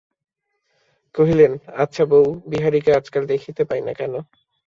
কহিলেন, আচ্ছা বউ, বিহারীকে আজকাল দেখিতে পাই না কেন।